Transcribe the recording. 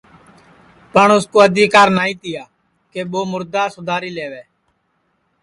پٹؔ اُس کُو آدیکار نائی تیا کہ ٻو مُردا سُداری لئیوے